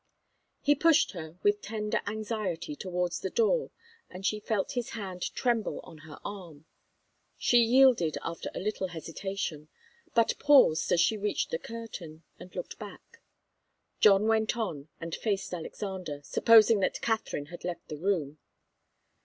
He pushed her with tender anxiety towards the door, and she felt his hand tremble on her arm. She yielded after a little hesitation, but paused as she reached the curtain, and looked back. John went on and faced Alexander, supposing that Katharine had left the room.